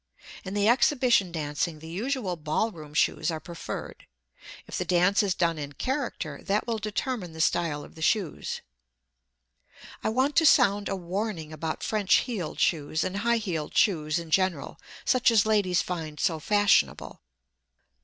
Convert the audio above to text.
In the exhibition dancing the usual ball room shoes are preferred. If the dance is done in character, that will determine the style of the shoes. I want to sound a warning about French heeled shoes and high heeled shoes in general, such as ladies find so fashionable.